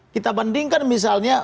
kita bandingkan misalnya